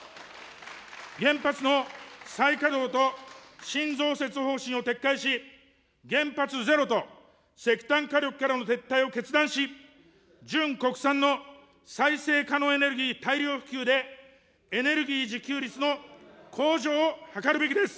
原発の再稼働と新増設方針を撤回し、原発ゼロと、石炭火力からの撤退を決断し、純国産の再生可能エネルギー大量普及でエネルギー自給率の向上を図るべきです。